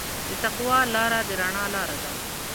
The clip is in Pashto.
د تقوی لاره د رڼا لاره ده.